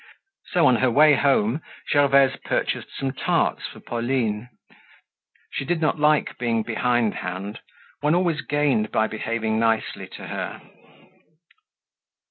So, on her way home, Gervaise purchased some tarts for Pauline. She did not like being behindhand—one always gained by behaving nicely to her.